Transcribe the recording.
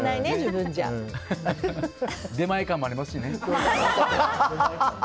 出前館もありますしね。